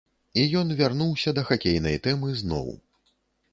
І ён вярнуўся да хакейнай тэмы зноў.